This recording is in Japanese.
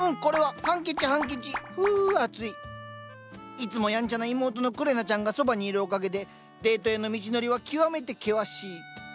いつもやんちゃな妹のくれなちゃんがそばにいるおかげでデートへの道のりは極めて険しい。